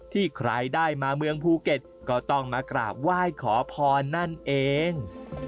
ใครได้มาเมืองภูเก็ตก็ต้องมากราบไหว้ขอพรนั่นเอง